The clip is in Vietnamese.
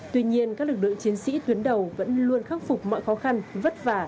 tuy nhiên các lực lượng chiến sĩ tuyến đầu vẫn luôn khắc phục mọi khó khăn vất vả